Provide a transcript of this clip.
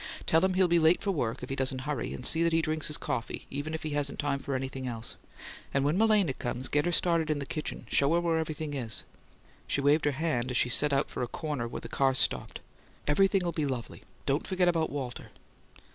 Tell him he'll be late to work if he doesn't hurry; and see that he drinks his coffee, even if he hasn't time for anything else. And when Malena comes, get her started in the kitchen: show her where everything is." She waved her hand, as she set out for a corner where the cars stopped. "Everything'll be lovely. Don't forget about Walter."